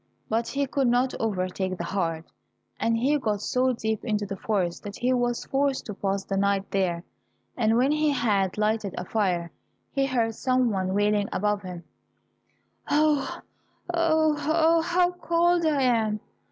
But he could not overtake the hart, and got so deep into the forest that he was forced to pass the night there. And when he had lighted a fire, he heard some one wailing above him, "Oh, oh, oh, how cold I am!"